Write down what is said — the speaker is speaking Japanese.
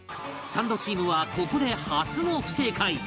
サンドチームはここで初の不正解